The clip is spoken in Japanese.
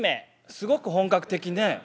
「すごく本格的ね」。